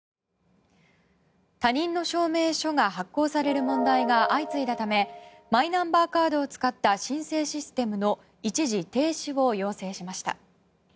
他人の証明書が発行される問題が相次いだためマイナンバーカードを使った申請システムの一時停止を要請しました。